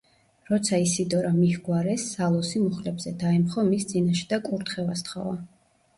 როცა ისიდორა მიჰგვარეს, სალოსი მუხლებზე დაემხო მის წინაშე და კურთხევა სთხოვა.